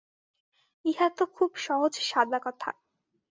ইহা তো খুব সহজ সাদা কথা।